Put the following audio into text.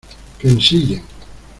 que ensillen.